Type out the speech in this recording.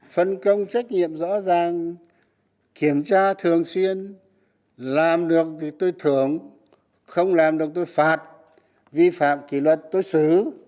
phân công trách nhiệm rõ ràng kiểm tra thường xuyên làm được thì tôi thưởng không làm được tôi phạt vi phạm kỷ luật tôi xử